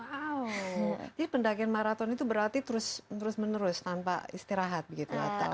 jadi pendakian maraton itu berarti terus menerus tanpa istirahat gitu atau